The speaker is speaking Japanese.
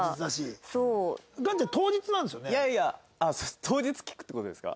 いやいや当日聞くって事ですか？